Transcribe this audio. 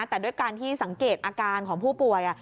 แต่ด้วยการที่สังเกตอาการของผู้ป่วย